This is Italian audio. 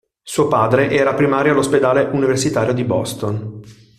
Suo padre era primario all'ospedale universitario di Boston.